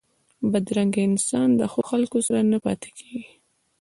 بدرنګه انسان د ښو خلکو سره نه پاتېږي